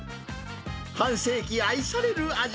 半世紀愛される味。